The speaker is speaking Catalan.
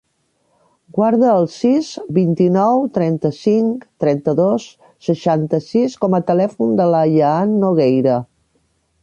Guarda el sis, vint-i-nou, trenta-cinc, trenta-dos, seixanta-sis com a telèfon de l'Ayaan Nogueira.